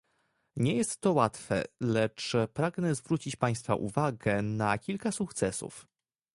Nie jest to łatwe, lecz pragnę zwrócić państwa uwagę na kilka sukcesów